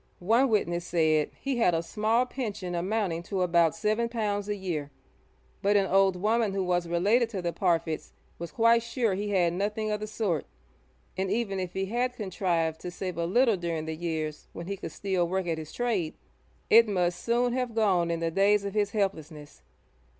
One witness said he had a small pension amounting to about seven pounds a year, but an old woman who was related to the Parfitts 'was quite sure he had nothing of the sort,' and even if he had contrived to save a little during the years when he could still work at his trade, it must soon have gone in the days of his helplessness.